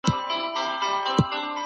ژبپوهنه یو مهم علم دی.